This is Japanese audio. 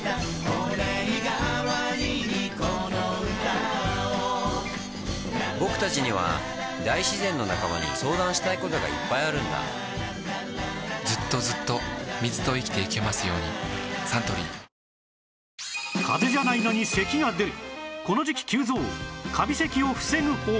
御礼がわりにこの歌をぼくたちには大自然の仲間に相談したいことがいっぱいあるんだずっとずっと水と生きてゆけますようにサントリーかぜじゃないのに咳が出る